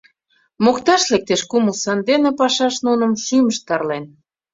Мокташ лектеш кумыл сандене Пашаш нуным шӱмышт тарлен.